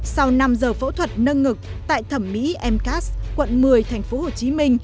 sau năm giờ phẫu thuật nâng ngực tại thẩm mỹ mcas quận một mươi tp hcm